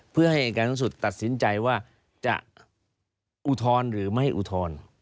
เพื่อให้อัยการทั้งสุทธิ์ตัดสินใจว่าจะอูทรอนหรือไม่อูทรอน